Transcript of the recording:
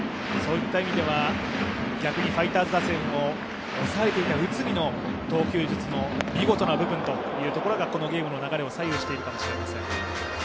逆にファイターズ打線を抑えていた内海の投球術の見事な部分がこのゲームの流れを左右しているかもしれません。